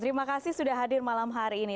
terima kasih sudah hadir malam hari ini